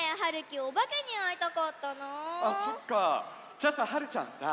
じゃあさはるちゃんさ